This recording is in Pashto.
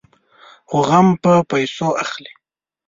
خو غم په پيسو اخلي.